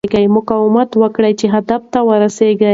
مقاومت وکړه چې هدف ته ورسېږې.